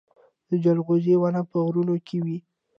د جلغوزي ونې په غرونو کې وي